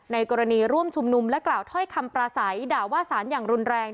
กรณีร่วมชุมนุมและกล่าวถ้อยคำปราศัยด่าว่าสารอย่างรุนแรง